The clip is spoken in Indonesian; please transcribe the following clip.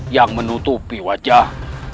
yang menutupi wajah